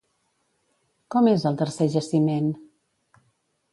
Com és el tercer jaciment?